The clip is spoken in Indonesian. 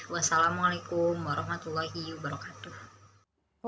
wassalamualaikum warahmatullahi wabarakatuh